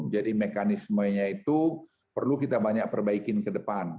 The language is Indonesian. jadi mekanismenya itu perlu kita banyak perbaikin ke depan